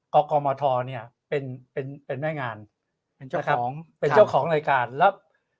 กกมธเนี่ยเป็นเป็นแม่งานเป็นเจ้าของเป็นเจ้าของรายการแล้ว